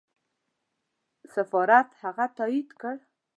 سفارت هغه تایید کړ.